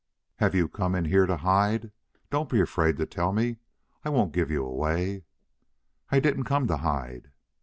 "Have you come in here to hide? Don't be afraid to tell me. I won't give you away." "I didn't come to hide."